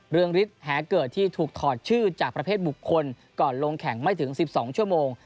เรืองฤทธิ์แหเกิดที่ถูกถอดชื่อจากประเภทบุคคลก่อนลงแข่งไม่ถึง๑๒ชั่วโมง